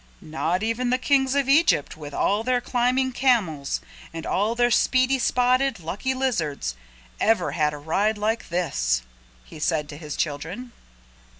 "Not even the Kings of Egypt with all their climbing camels, and all their speedy, spotted, lucky lizards, ever had a ride like this," he said to his children.